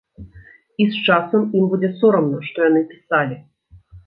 І з часам ім будзе сорамна, што яны пісалі.